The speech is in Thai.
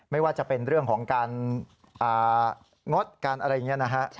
ไม่ว่าจะเป็นเรื่องของการงดการอะไรอย่างนี้นะฮะ